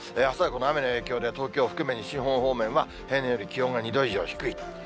あすはこの雨の影響で、東京含め西日本方面は、平年より気温が２度以上低い。